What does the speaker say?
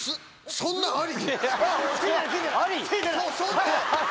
そんなんあり？